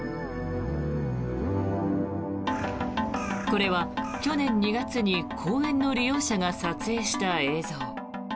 これは去年２月に公園の利用者が撮影した映像。